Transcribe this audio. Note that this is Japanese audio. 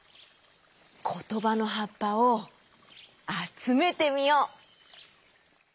ことばのはっぱをあつめてみよう！